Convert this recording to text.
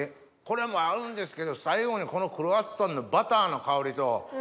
これも合うんですけど最後にこのクロワッサンのバターの香りと。